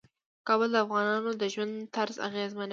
کابل د افغانانو د ژوند طرز اغېزمنوي.